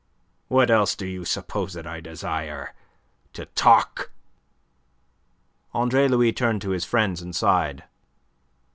"What else do you suppose that I desire? To talk?" Andre Louis turned to his friends and sighed.